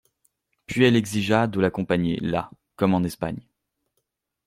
Puis elle exigea de l'accompagner là, comme en Espagne.